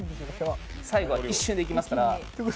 最後は一瞬でいきますから。